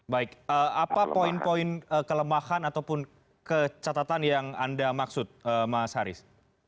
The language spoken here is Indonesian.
baik apa poin poin kelemahan ataupun kecatatan yang anda maksud mas haris